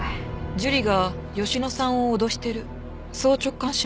樹里が佳乃さんを脅してるそう直感しました。